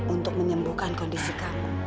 untuk menyembuhkan kondisi kamu